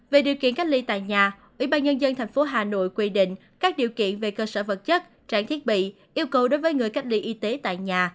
về điều kiện cách ly tại nhà ủy ban nhân dân tp hà nội quy định các điều kiện về cơ sở vật chất trang thiết bị yêu cầu đối với người cách ly y tế tại nhà